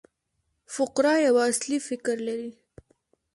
فقره یو اصلي فکر لري.